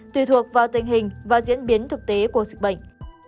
tùy thuộc vào tình hình và diễn biến thực tế của dịch bệnh